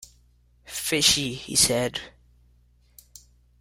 "Fishy," he said.